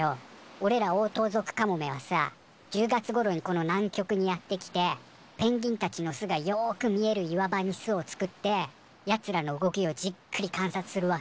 おれらオオトウゾクカモメはさ１０月ごろにこの南極にやって来てペンギンたちの巣がよく見える岩場に巣を作ってやつらの動きをじっくり観察するわけよ。